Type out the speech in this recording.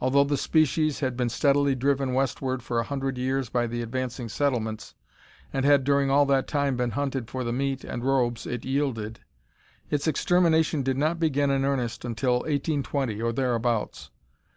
Although the species had been steadily driven westward for a hundred years by the advancing settlements, and had during all that time been hunted for the meat and robes it yielded, its extermination did not begin in earnest until 1820, or thereabouts.